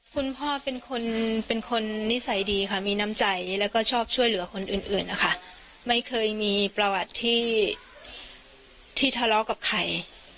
คุณพ่อเป็นคนเป็นคนนิสัยดีค่ะมีน้ำใจแล้วก็ชอบช่วยเหลือคนอื่นนะคะไม่เคยมีประวัติที่ทะเลาะกับใคร